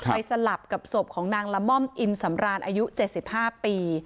สลับกับศพของนางละม่อมอินสำราญอายุ๗๕ปี